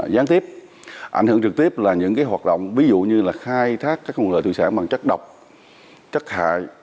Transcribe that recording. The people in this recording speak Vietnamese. gián tiếp ảnh hưởng trực tiếp là những hoạt động ví dụ như là khai thác các nguồn lợi thủy sản bằng chất độc chất hại